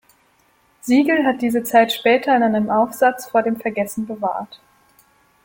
Siegel hat diese Zeit später in einem Aufsatz vor dem Vergessen bewahrt.